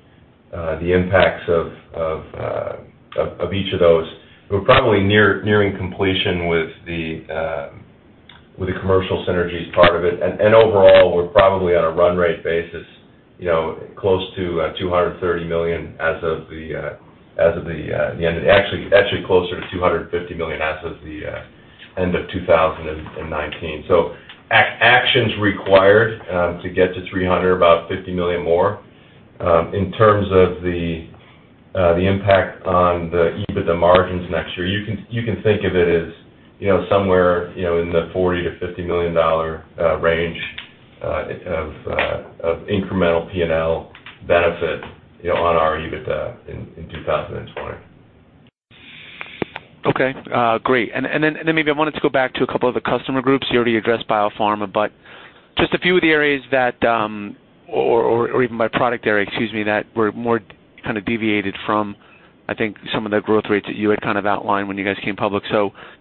the impacts of each of those. We're probably nearing completion with the commercial synergies part of it. Overall, we're probably on a run rate basis, close to $230 million as of the end. Actually closer to $250 million as of the end of 2019. Actions required to get to $300 million, about $50 million more. In terms of the impact on the EBITDA margins next year, you can think of it as somewhere in the $40 million-$50 million range of incremental P&L benefit on our EBITDA in 2020. Okay. Great. Maybe I wanted to go back to a couple of the customer groups. You already addressed biopharma, but just a few of the areas that, or even by product area, excuse me, that were more kind of deviated from, I think, some of the growth rates that you had outlined when you guys came public.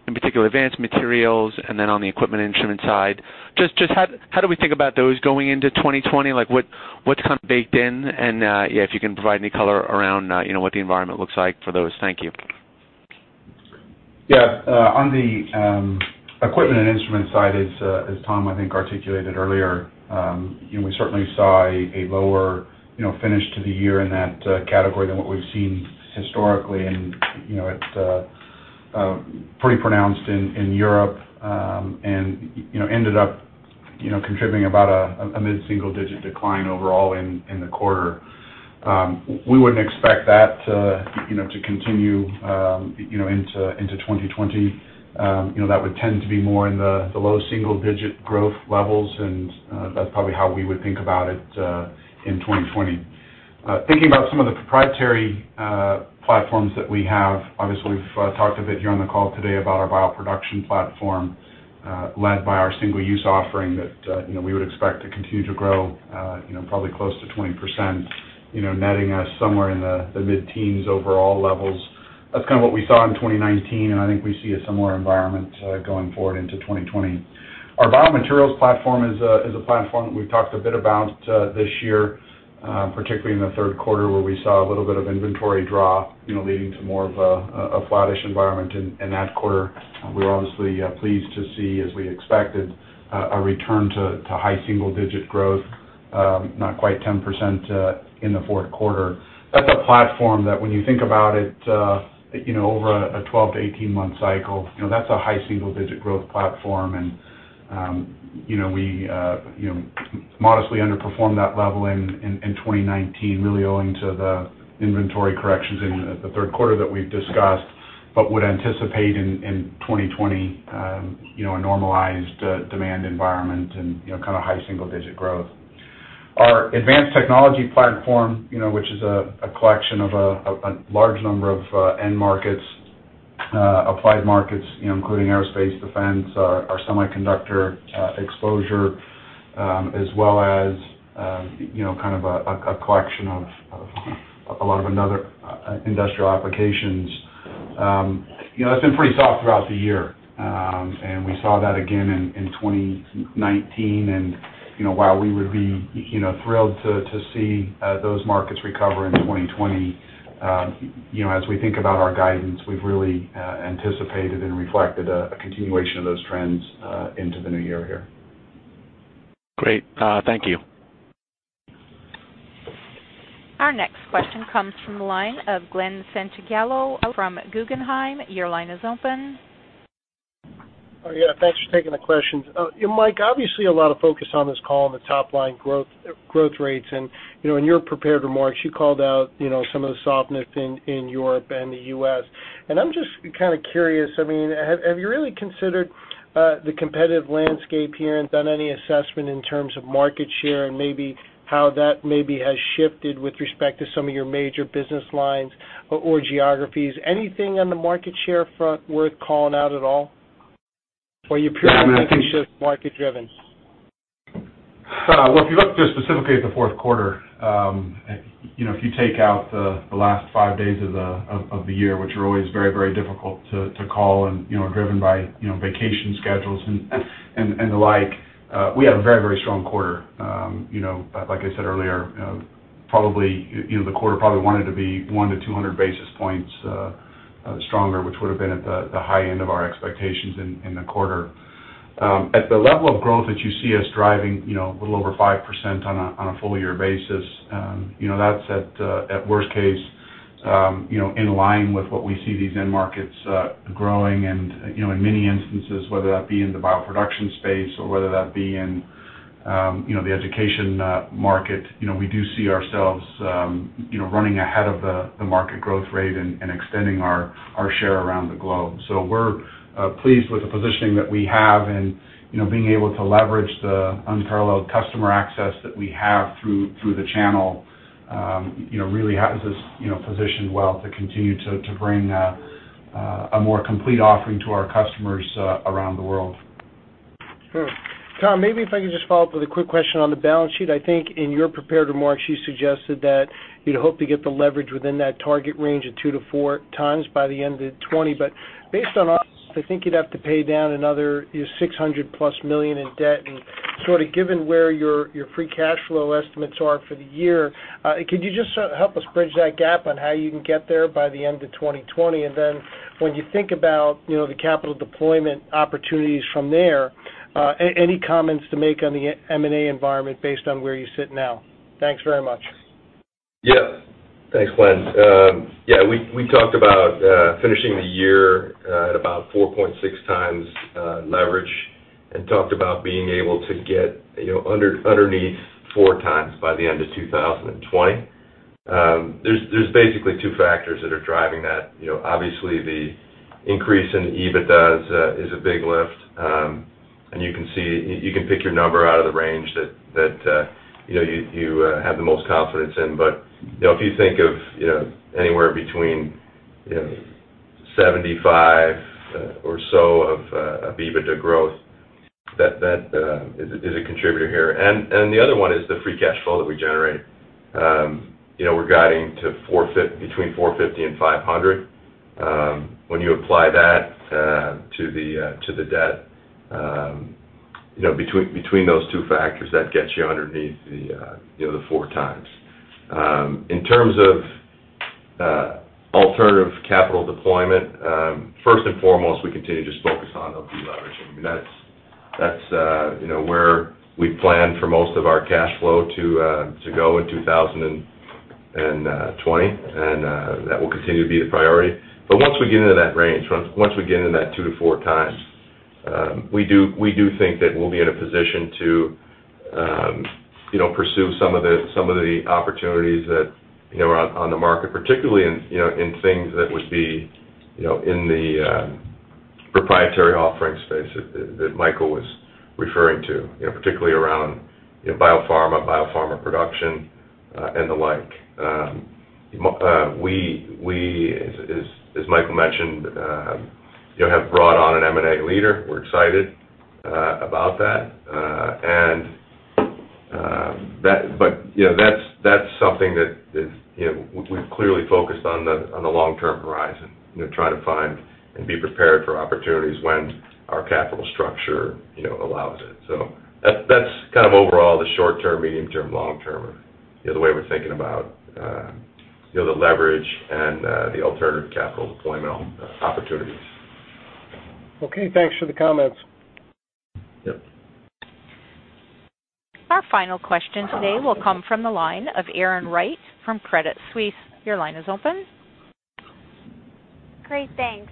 In particular, advanced materials, and then on the equipment instrument side, just how do we think about those going into 2020? What's kind of baked in and, yeah, if you can provide any color around what the environment looks like for those? Thank you. Yeah. On the equipment and instrument side, as Tom, I think, articulated earlier, we certainly saw a lower finish to the year in that category than what we've seen historically, and it's pretty pronounced in Europe, and ended up contributing about a mid-single digit decline overall in the quarter. We wouldn't expect that to continue into 2020. That would tend to be more in the low single digit growth levels, and that's probably how we would think about it in 2020. Thinking about some of the proprietary platforms that we have, obviously, we've talked a bit here on the call today about our bioproduction platform, led by our single-use offering that we would expect to continue to grow probably close to 20%, netting us somewhere in the mid-teens overall levels. That's kind of what we saw in 2019, and I think we see a similar environment going forward into 2020. Our biomaterials platform is a platform that we've talked a bit about this year, particularly in the third quarter, where we saw a little bit of inventory draw leading to more of a flattish environment in that quarter. We're obviously pleased to see, as we expected, a return to high single-digit growth, not quite 10%, in the fourth quarter. That's a platform that when you think about it, over a 12 to 18-month cycle, that's a high single-digit growth platform, and we modestly underperformed that level in 2019, really owing to the inventory corrections in the third quarter that we've discussed, but would anticipate in 2020 a normalized demand environment and kind of high single-digit growth. Our advanced technology platform, which is a collection of a large number of end markets, applied markets, including aerospace, defense, our semiconductor exposure, as well as kind of a collection of a lot of other industrial applications. It's been pretty soft throughout the year, and we saw that again in 2019. While we would be thrilled to see those markets recover in 2020, as we think about our guidance, we've really anticipated and reflected a continuation of those trends into the new year here. Great. Thank you. Our next question comes from the line of Glen Santangelo from Guggenheim. Your line is open. Yeah, thanks for taking the questions. Mike, obviously, a lot of focus on this call on the top-line growth rates. In your prepared remarks, you called out some of the softness in Europe and the U.S. I'm just curious, have you really considered the competitive landscape here and done any assessment in terms of market share and maybe how that maybe has shifted with respect to some of your major business lines or geographies? Anything on the market share front worth calling out at all? You purely think it's just market-driven? Well, if you look just specifically at the fourth quarter, if you take out the last five days of the year, which are always very, very difficult to call and are driven by vacation schedules and the like, we had a very, very strong quarter. Like I said earlier, the quarter probably wanted to be 100-200 basis points stronger, which would have been at the high end of our expectations in the quarter. At the level of growth that you see us driving, a little over 5% on a full-year basis, that's at worst case, in line with what we see these end markets growing and, in many instances, whether that be in the bioproduction space or whether that be in the education market, we do see ourselves running ahead of the market growth rate and extending our share around the globe. We're pleased with the positioning that we have and being able to leverage the unparalleled customer access that we have through the channel really has us positioned well to continue to bring a more complete offering to our customers around the world. Sure. Tom, maybe if I can just follow up with a quick question on the balance sheet. I think in your prepared remarks, you suggested that you'd hope to get the leverage within that target range of 2-4x by the end of 2020. Based on us, I think you'd have to pay down another +$600 million in debt. And given where your free cash flow estimates are for the year, could you just help us bridge that gap on how you can get there by the end of 2020? Then when you think about the capital deployment opportunities from there, any comments to make on the M&A environment based on where you sit now? Thanks very much. Yeah. Thanks, Glen. Yeah, we talked about finishing the year at about 4.6x leverage and talked about being able to get underneath 4x by the end of 2020. There's basically two factors that are driving that. Obviously, the increase in EBITDA is a big lift. You can pick your number out of the range that you have the most confidence in. If you think of anywhere between $75 or so of EBITDA growth, that is a contributor here. The other one is the free cash flow that we generate. We're guiding to between $450 and $500. When you apply that to the debt, between those two factors, that gets you underneath the 4x. In terms of alternative capital deployment, first and foremost, we continue to just focus on the deleveraging. That's where we plan for most of our cash flow to go in 2020, and that will continue to be the priority. Once we get into that range, once we get into that 2-4x, we do think that we'll be in a position to pursue some of the opportunities that are on the market, particularly in things that would be in the proprietary offering space that Michael was referring to, particularly around biopharma production, and the like. We, as Michael mentioned, have brought on an M&A leader. We're excited about that. That's something that we've clearly focused on the long-term horizon, trying to find and be prepared for opportunities when our capital structure allows it. That's kind of overall the short-term, medium-term, long-term, the way we're thinking about the leverage and the alternative capital deployment opportunities. Okay, thanks for the comments. Yep. Our final question today will come from the line of Erin Wright from Credit Suisse. Your line is open. Great, thanks.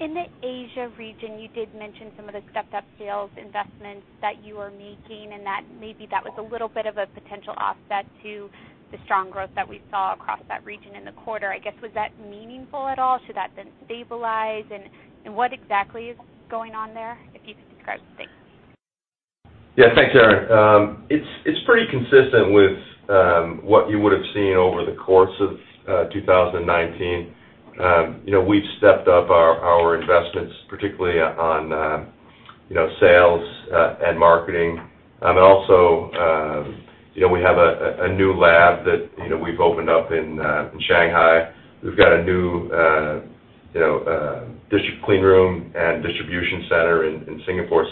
In the Asia region, you did mention some of the stepped-up sales investments that you are making, and that maybe that was a little bit of a potential offset to the strong growth that we saw across that region in the quarter. I guess, was that meaningful at all? Should that then stabilize? What exactly is going on there? If you could describe. Thanks. Yeah, thanks, Erin. It's pretty consistent with what you would've seen over the course of 2019. We've stepped up our investments, particularly on sales and marketing. Also, we have a new lab that we've opened up in Shanghai. We've got a new clean room and distribution center in Singapore.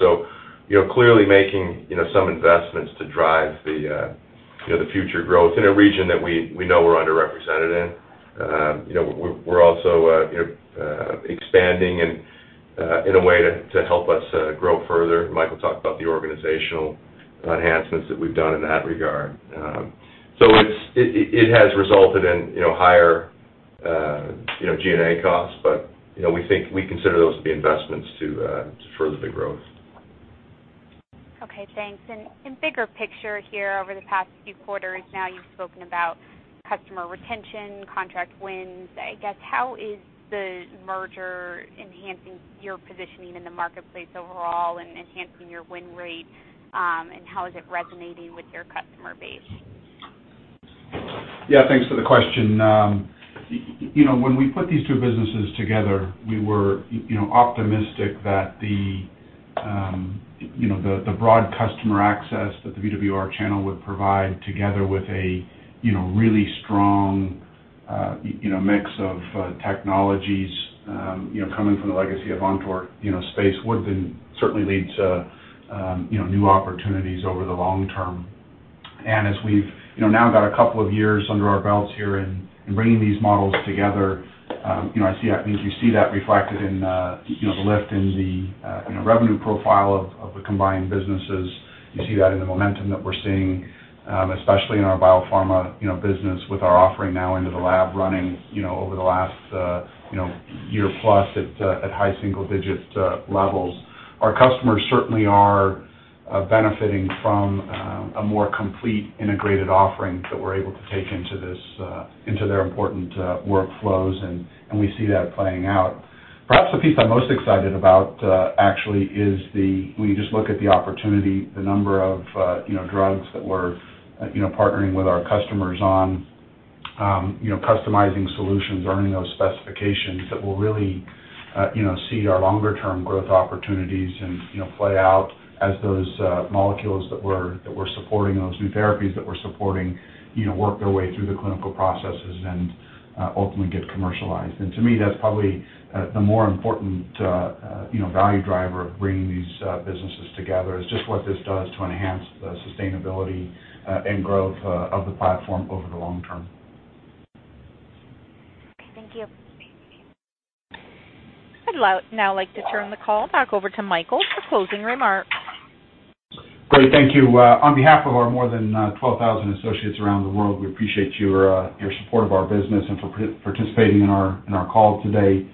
Clearly making some investments to drive the future growth in a region that we know we're underrepresented in. We're also expanding and in a way to help us grow further. Michael talked about the organizational enhancements that we've done in that regard. It has resulted in higher G&A costs, but we consider those to be investments to further the growth. Okay, thanks. Bigger picture here, over the past few quarters now, you've spoken about customer retention, contract wins. I guess, how is the merger enhancing your positioning in the marketplace overall and enhancing your win rate? How is it resonating with your customer base? Yeah, thanks for the question. When we put these two businesses together, we were optimistic that the broad customer access that the VWR channel would provide together with a really strong mix of technologies coming from the legacy of Avantor space would certainly lead to new opportunities over the long term. As we've now got a couple of years under our belts here in bringing these models together, I think you see that reflected in the lift in the revenue profile of the combined businesses. You see that in the momentum that we're seeing, especially in our biopharma business with our offering now into the lab running over the last year plus at high single-digit levels. Our customers certainly are benefiting from a more complete integrated offering that we're able to take into their important workflows, and we see that playing out. Perhaps the piece I'm most excited about actually is when you just look at the opportunity, the number of drugs that we're partnering with our customers on, customizing solutions, learning those specifications that will really see our longer-term growth opportunities play out as those molecules that we're supporting, those new therapies that we're supporting work their way through the clinical processes and ultimately get commercialized. To me, that's probably the more important value driver of bringing these businesses together, is just what this does to enhance the sustainability and growth of the platform over the long term. Okay, thank you. I'd now like to turn the call back over to Michael for closing remarks. Great. Thank you. On behalf of our more than 12,000 associates around the world, we appreciate your support of our business and for participating in our call today.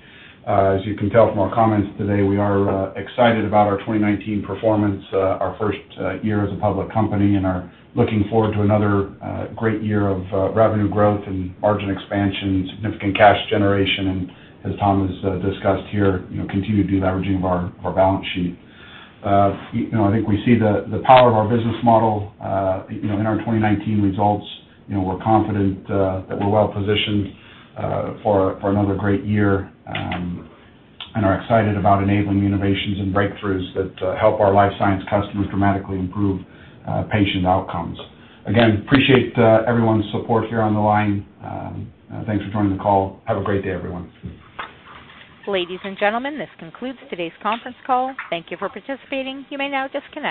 As you can tell from our comments today, we are excited about our 2019 performance, our first year as a public company, and are looking forward to another great year of revenue growth and margin expansion, significant cash generation, and as Tom has discussed here, continued deleveraging of our balance sheet. I think we see the power of our business model in our 2019 results. We're confident that we're well-positioned for another great year and are excited about enabling innovations and breakthroughs that help our life science customers dramatically improve patient outcomes. Appreciate everyone's support here on the line. Thanks for joining the call. Have a great day, everyone. Ladies and gentlemen, this concludes today's conference call. Thank you for participating. You may now disconnect.